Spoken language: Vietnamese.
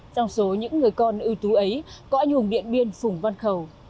trong số những người con ưu tú ấy có anh hùng điện biên phùng văn khẩu